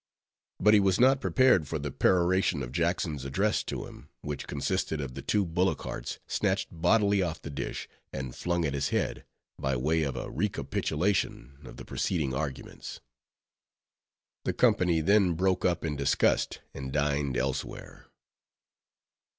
But he was not prepared for the peroration of Jackson's address to him; which consisted of the two bullock hearts, snatched bodily off the dish, and flung at his head, by way of a recapitulation of the preceding arguments. The company then broke up in disgust, and dined elsewhere.